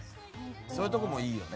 そういうところもいいよね。